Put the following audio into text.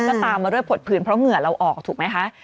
ก็ตามมาด้วยผดผืนเพราะเหงื่อเราออกถูกไหมคะ